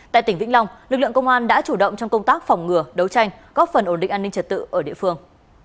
tại tỉnh vĩnh long lực lượng công an đã chủ động trong công tác phòng ngừa đấu tranh góp phần ổn định an ninh trật tự ở địa phương